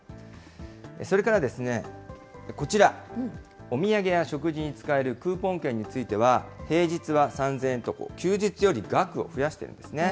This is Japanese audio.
それからですね、こちら、お土産や食事に使えるクーポン券については、平日は３０００円と、休日より額を増やしているんですね。